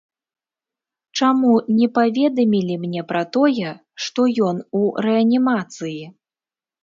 Чаму не паведамілі мне пра тое, што ён у рэанімацыі?